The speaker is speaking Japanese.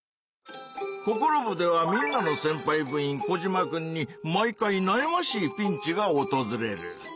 「ココロ部！」ではみんなのせんぱい部員コジマくんに毎回なやましいピンチがおとずれる。